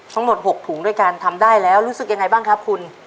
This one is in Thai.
ทั้งหมด๖ถุงด้วยกันทำได้แล้วรู้สึกยังไงบ้างครับคุณ